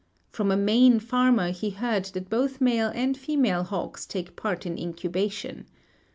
From a Maine farmer he heard that both male and female hawks take part in incubation.